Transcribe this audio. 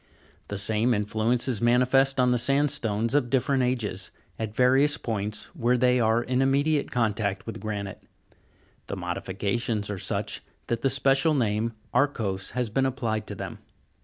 The same influence is manifest on the sandstones of different ages, at various points where they are in immediate contact with granite : the modifications are such that the special name, arkose, has been applied to them.